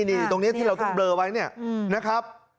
นี่ตรงนี้ที่เราต้องเบลอไว้เนี่ยนะครับ